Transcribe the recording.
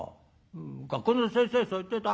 学校の先生そう言ってた。